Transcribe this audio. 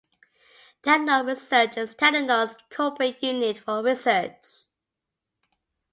Telenor Research is Telenor's corporate unit for research.